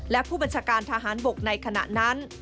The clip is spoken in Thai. และผู้บัญชาการทหารบกในขณะนั้น